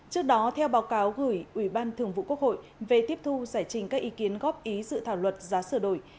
trước đó theo báo cáo gửi ủy ban thường vụ quốc hội về tiếp thu giải trình các ý kiến góp ý dự thảo luật giá sửa đổi